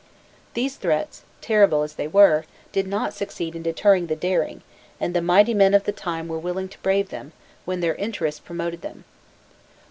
These threats, terrible as they were, did not succeed in deterring the daring, and the mighty men of the time were willing to brave them, when their interests promoted them.